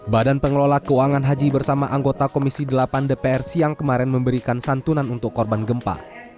badan pengelola keuangan haji bersama anggota komisi delapan dpr siang kemarin memberikan santunan untuk korban gempa